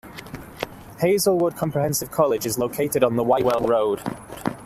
Hazelwood Comprehensive College is located on the Whitewell Road.